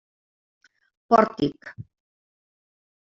Pòrtic.